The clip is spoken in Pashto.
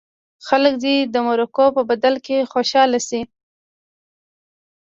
خلک دې د مرکو په بدل کې خوشاله شي.